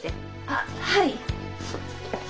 あっはい！